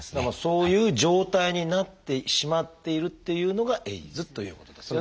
そういう状態になってしまっているっていうのがＡＩＤＳということですよね。